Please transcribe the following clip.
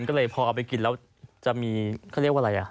ก็เลยพอเอาไปกินแล้วจะมีเขาเรียกว่าอะไรอ่ะ